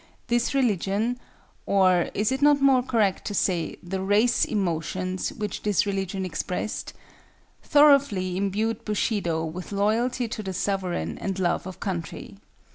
This religion—or, is it not more correct to say, the race emotions which this religion expressed?—thoroughly imbued Bushido with loyalty to the sovereign and love of country.